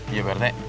iya pak rete